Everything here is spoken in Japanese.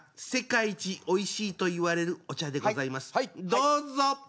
どうぞ！